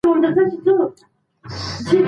هغه پرون له کوره دباندي وګرځېدی.